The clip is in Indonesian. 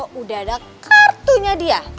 gue udah ada kartunya dia